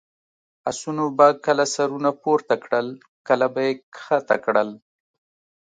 اسونو به کله سرونه پورته کړل، کله به یې کښته کړل.